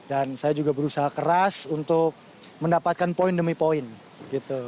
dan saya juga berusaha keras untuk mendapatkan poin demi poin gitu